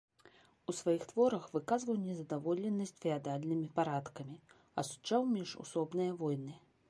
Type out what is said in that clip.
У сваіх творах выказваў незадаволенасць феадальнымі парадкамі, асуджаў міжусобныя войны.